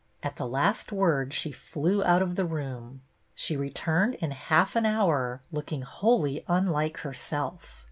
At the last word she flew out of the room. She returned in half an hour, looking wholly unlike herself.